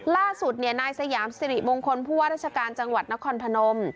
ล่าสุดนายสยามสิริมงคลผู้ว่าราชการจังหวัดนครพนม